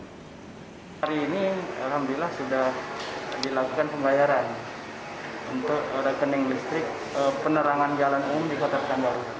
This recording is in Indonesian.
hari ini alhamdulillah sudah dilakukan pembayaran untuk rekening listrik penerangan jalan umum di kota pekanbaru